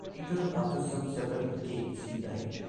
Later, after some several decades, he died.